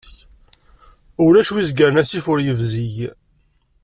Ulac wi izegren asif ur ibzig.